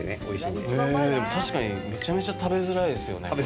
でも、確かにめちゃめちゃ食べづらいですよね、これ。